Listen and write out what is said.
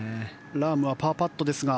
ラームはパーパットですが。